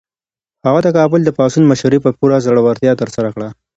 هغه د کابل د پاڅون مشري په پوره زړورتیا ترسره کړه.